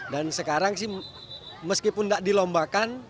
dan sekarang sih meskipun tidak dilombakan